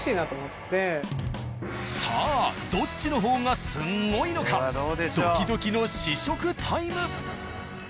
さあどっちの方がスンゴイのかドキドキの試食タイム。